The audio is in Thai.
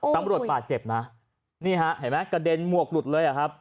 ตำรวจบาดเจ็บนะนี่ฮะเห็นไหมกระเด็นหมวกหลุดเลยอ่ะครับ